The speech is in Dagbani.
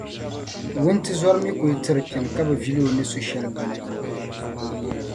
wuntizɔra mi kul tiri pini ka bi vili o ni su shɛli gbini.